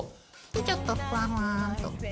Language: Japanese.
ちょっとふわふわっと。